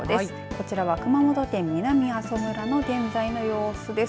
こちらは熊本県南阿蘇村の現在の様子です。